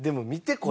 これ。